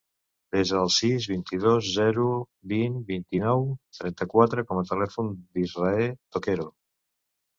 Desa el sis, vint-i-dos, zero, vuit, vint-i-nou, trenta-quatre com a telèfon de l'Israe Toquero.